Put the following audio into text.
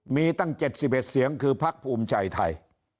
มีตั้ง๗๑เสียงคือพักภูมิใจไทย